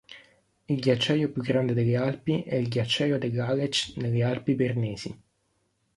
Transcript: Il ghiacciaio più grande delle Alpi è il ghiacciaio dell'Aletsch nelle Alpi Bernesi.